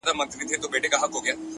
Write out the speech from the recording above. چا ویل دا چي، ژوندون آسان دی،